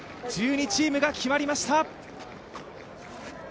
１２チームが決まりました。